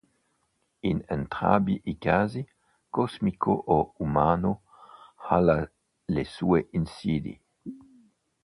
In entrambi i casi, cosmico o umano, ha le sue insidie.